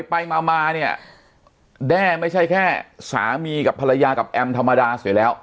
ไปมาเนี่ยแด่ไม่ใช่แค่สามีพระยากับแอมล์ธรรมดาเสร็จแล้ว